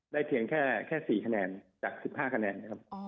เพียงแค่๔คะแนนจาก๑๕คะแนนนะครับ